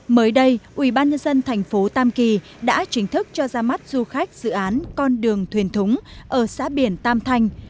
mới đây ubnd tp tam kỳ đã chính thức cho ra mắt du khách dự án con đường thuyền thúng ở xã biển tam thanh